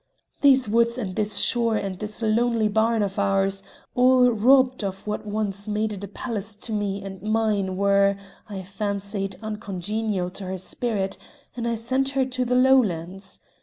"These woods and this shore and this lonely barn of ours, all robbed of what once made it a palace to me and mine, were, I fancied, uncongenial to her spirit, and I sent her to the Lowlands.